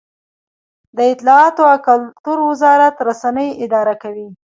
د اطلاعاتو او کلتور وزارت رسنۍ اداره کوي